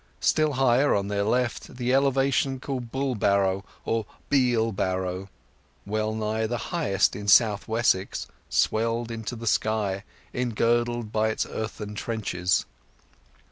Still higher, on their left, the elevation called Bulbarrow, or Bealbarrow, well nigh the highest in South Wessex, swelled into the sky, engirdled by its earthen trenches.